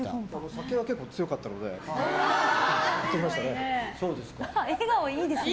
酒は結構強かったので行ってましたね。